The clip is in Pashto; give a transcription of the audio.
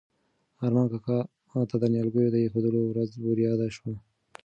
ارمان کاکا ته د نیالګیو د ایښودلو ورځ وریاده شوه.